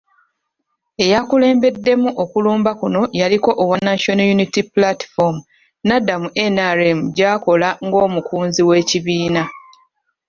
Eyakulembeddemu okulumba kuno yaliko owa National Unity Platform n'adda mu NRM gy'akola ng'omukunzi w'ekibiina.